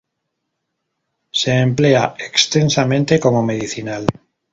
Se emplea extensamente como medicinal.